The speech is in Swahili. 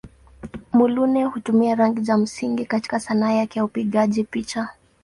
Muluneh hutumia rangi za msingi katika Sanaa yake ya upigaji picha.